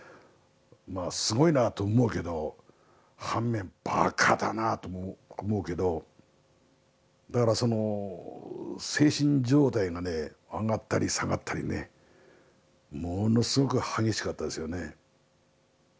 まあすごいなあと思うけど反面ばかだなぁとも思うけどだからその精神状態がね上がったり下がったりねものすごく激しかったですよね。